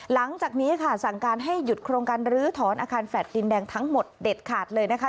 หลังจากนี้ค่ะสั่งการให้หยุดโครงการลื้อถอนอาคารแฟลต์ดินแดงทั้งหมดเด็ดขาดเลยนะคะ